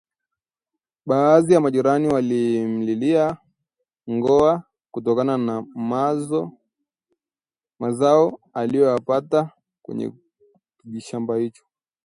Baadhi ya majirani walimlilia ngoa kutokana na mazao aliyoyapata kwenye kijishamba hicho